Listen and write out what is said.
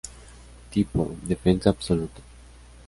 Tipo: "Defensa absoluta".